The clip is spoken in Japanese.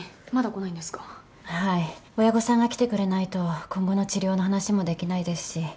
親御さんが来てくれないと今後の治療の話もできないですし。